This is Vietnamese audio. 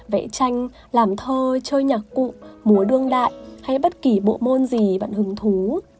vẽ tranh làm thơ chơi nhạc cụ múa đương đại hay bất kỳ bộ môn gì vẫn hứng thú